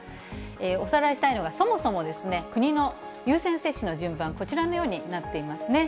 おさらいしたいのが、そもそも、国の優先接種の順番、こちらのようになっていますね。